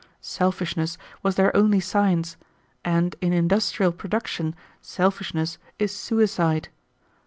Selfishness was their only science, and in industrial production selfishness is suicide.